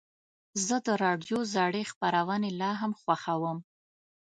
زه د راډیو زړې خپرونې لا هم خوښوم.